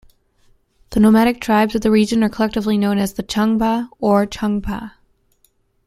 The nomadic tribes of the region are collectively known as the "Changpa" or "Chang-pa".